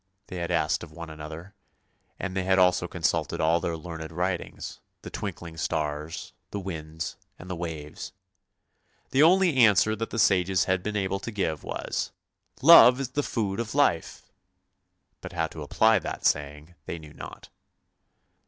" they had asked of one .another, and they had also consulted all their learned writings, the twinkling stars, the winds, and the waves. The only answer that the sages had been able to give] was, " Love is the food of life! " but how to apply the saying they knew not.